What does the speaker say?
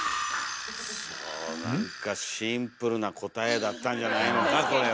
なんかシンプルな答えだったんじゃないのかこれは。